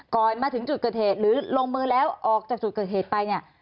ก่อนมาถึงจุดเกิดเหตุหรือลงมือแล้วออกจากจุดเกิดเหตุไปเนี่ย